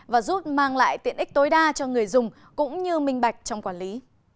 và giúp mang lại tiện ích tối đa cho người dùng cũng như minh bạch trong quản lý